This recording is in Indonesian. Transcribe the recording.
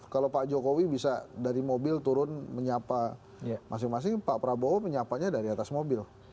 kalau pak jokowi bisa dari mobil turun menyapa masing masing pak prabowo menyapanya dari atas mobil